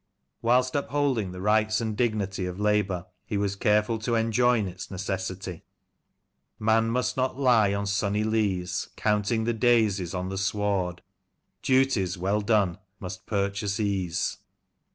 Whilst upholding the rights and dignity of labour, he was careful to enjoin its necessity —Man must not lie on sunny leas Counting the daisies on the sward ; Duties well done must purchase ease."